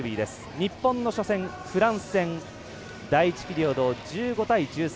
日本の初戦フランス戦、第１ピリオド１５対１３